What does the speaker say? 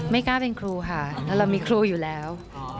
กล้าเป็นครูค่ะแต่เรามีครูอยู่แล้ว